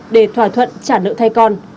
để thỏa thuận trả nợ thay phép